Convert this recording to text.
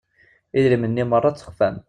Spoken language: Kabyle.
Idrimen-nni merra ttexfan.